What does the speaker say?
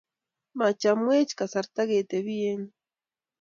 machomwech kasarta ketebi eng' yu